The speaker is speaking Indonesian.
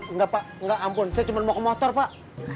enggak pak enggak ampun saya cuma mau ke motor pak